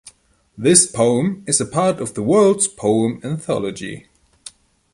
This poem is a part of the world's poem anthology.